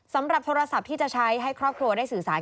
สำหรับโทรศัพท์ที่จะใช้ให้ครอบครัวได้สื่อสาร